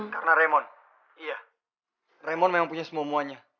karena raymond iya raymond memang punya semua semuanya